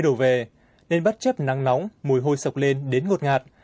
đổ về nên bất chấp nắng nóng mùi hôi sọc lên đến ngột ngạt